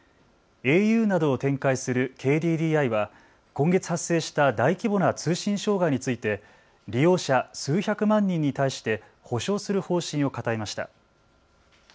ａｕなどを展開するＫＤＤＩは今月発生した大規模な通信障害について利用者、数百万人に対して補償する方針を固めました。